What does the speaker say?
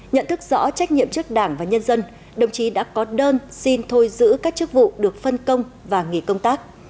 nhận thức rõ trách nhiệm trước đảng và nhân dân đồng chí đã có đơn xin thôi giữ các chức vụ được phân công và nghỉ công tác